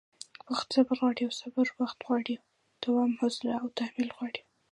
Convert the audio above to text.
وخت صبر غواړي او صبر وخت غواړي؛ دواړه حوصله او تحمل غواړي